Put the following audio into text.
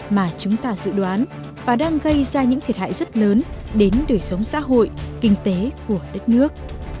mà chúng ta dự đoán và đang gây ra những thiệt hại rất lớn đến đời sống xã hội kinh tế của đất nước